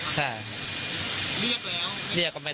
หลังจากนั้น